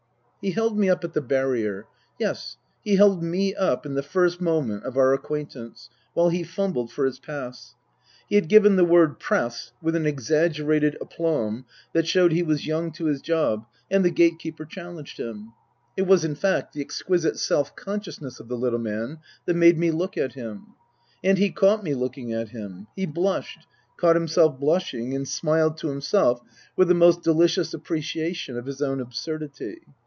He held me up at the barrier (yes, he held me up in the first moment of our acquaintance) while he fumbled for his pass. He had given the word " Press " with an exaggerated aplomb that showed he was young to his job, and the gate keeper challenged him. It was, in fact, the exquisite self consciousness of the little man that made me look at him. And he caught me looking at him ; he blushed, caught himself blushing and smiled to himself with the most delicious appreciation of his own absurdity.